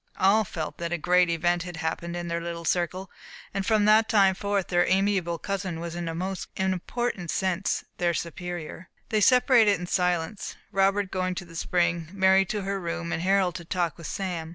All felt that a great event had happened in their little circle; and that from that time forth their amiable cousin was in a most important sense their superior. They separated in silence, Robert going to the spring, Mary to her room, and Harold to talk with Sam.